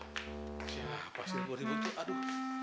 siapa sih gue dibutuhin aduh